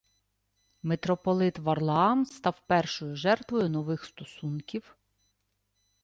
Митрополит Варлаам став першою жертвою нових стосунків